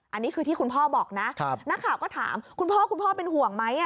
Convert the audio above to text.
อันนี้คือที่คุณพ่อบอกนะนักข่าวก็ถามคุณพ่อคุณพ่อเป็นห่วงไหม